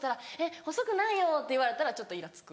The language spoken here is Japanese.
「細くないよ」って言われたらちょっとイラつく。